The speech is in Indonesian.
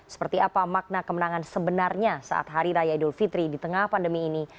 seperti apa makna kemenangan sebenarnya saat hari raya idul fitri di tengah pandemi ini